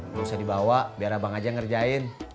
nggak usah dibawa biar abang aja ngerjain